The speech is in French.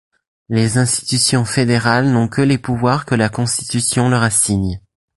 Les institutions fédérales n'ont que les pouvoirs que la constitution leur assigne.